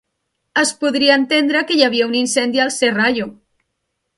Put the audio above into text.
Es podria entendre que hi havia un incendi al Serrallo.